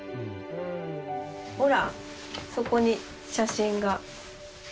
ほらそこに写真が。